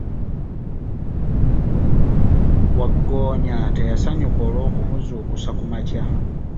Wagggoonya teyasanyuka olw'okumuzuukusa ku makya.